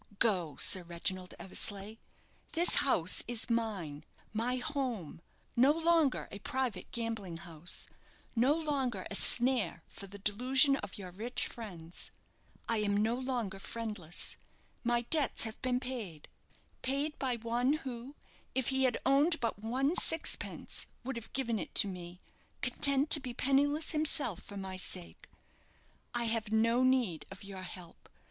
Go, Sir Reginald Eversleigh; this house is mine my home no longer a private gambling house no longer a snare for the delusion of your rich friends. I am no longer friendless. My debts have been paid paid by one who, if he had owned but one sixpence, would have given it to me, content to be penniless himself for my sake. I have no need of your help.